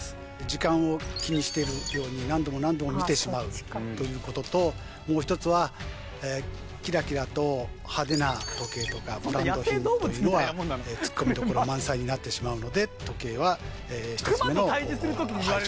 時間を気にしてるように何度も何度も見てしまうということともう一つはキラキラと派手な時計とかブランド品というのはツッコミどころ満載になってしまうので時計は１つ目の排除